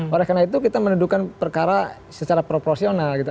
oleh karena itu kita menuduhkan perkara secara proporsional gitu